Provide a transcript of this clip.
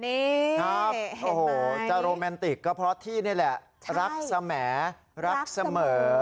ครับโอ้โหจะโรแมนติกก็เพราะที่นี่แหละรักเสมอรักเสมอ